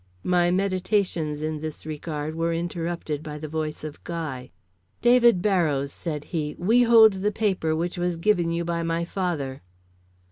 My meditations in this regard were interrupted by the voice of Guy. "David Barrows," said he, "we hold the paper which was given you by my father."